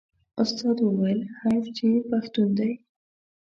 استاد وویل حیف چې پښتون دی.